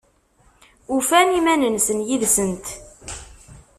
Ufan iman-nsen yid-sent?